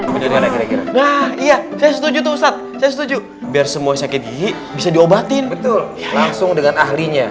setuju setuju biar semua sakit gigi bisa diobatin langsung dengan ahlinya